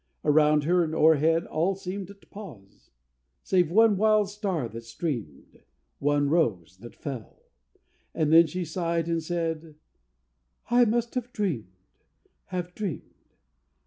Around her and o'erhead All seemed at pause save one wild star that streamed, One rose that fell. And then she sighed and said, "I must have dreamed, have dreamed."